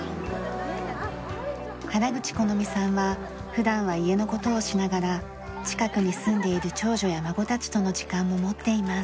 原口このみさんは普段は家の事をしながら近くに住んでいる長女や孫たちとの時間も持っています。